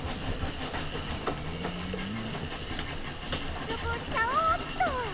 くすぐっちゃおっと。